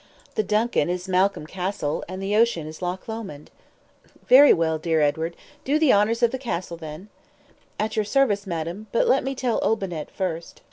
The DUNCAN is Malcolm Castle, and the ocean is Loch Lomond." "Very well, dear Edward, do the honors of the Castle then." "At your service, madam; but let me tell Olbinett first."